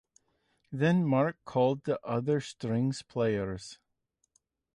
Then Mark called the other strings players.